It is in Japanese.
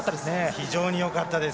非常によかったです。